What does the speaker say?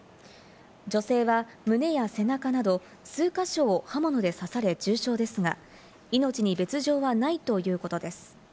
女性は胸や背中など数か所を刃物で刺され重傷ですが、命に別条はないということです。